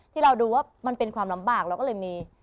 ที่เราดูว่ามันเป็นความลำบากเราก็เลยมี